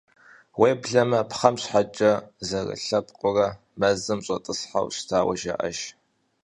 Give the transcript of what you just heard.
Уеблэмэ, пхъэм щхьэкӏэ зэрылъэпкъыурэ мэзым щӏэтӏысхьэу щытауэ жаӏэж.